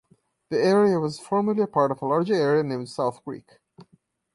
The area was formerly part of a larger area named South Creek.